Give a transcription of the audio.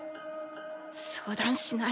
相談しない。